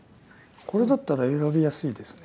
これだったら選びやすいですね